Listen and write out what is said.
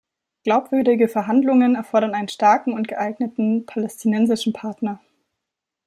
Glaubwürdige Verhandlungen erfordern einen starken und geeinigten palästinensischen Partner.